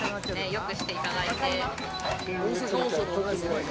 よくしていただいて。